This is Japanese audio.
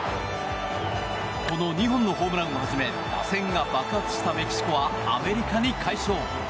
この２本のホームランをはじめ打線が爆発したメキシコはアメリカに快勝。